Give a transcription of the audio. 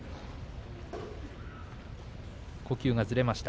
呼吸がずれました。